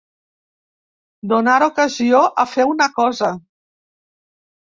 Donar ocasió a fer una cosa.